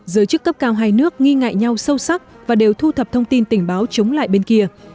giới chức cấp cao hai nước nghi ngại nhau sâu sắc và đều thu thập thông tin tình báo chống lại bên kia